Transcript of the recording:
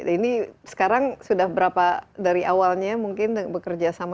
ini sekarang sudah berapa dari awalnya mungkin bekerja sama